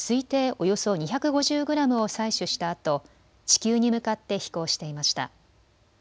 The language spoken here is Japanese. およそ２５０グラムを採取したあと地球に向かって飛行していました。